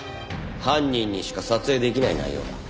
犯人にしか撮影できない内容だ。